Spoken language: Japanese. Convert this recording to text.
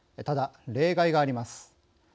ただ、例外があります。